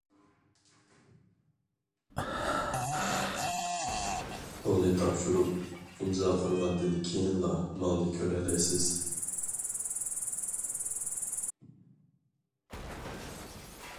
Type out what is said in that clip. پۇلنى تاپشۇرۇپ، ئىمزا قويغاندىن كېيىنلا مالنى كۆرەلەيسىز.